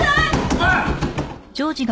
おい！